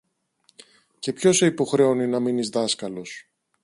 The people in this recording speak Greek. Και ποιος σε υποχρεώνει να μείνεις δάσκαλος;